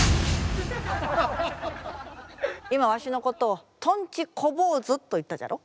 今わしのことをとんち小坊主と言ったじゃろ？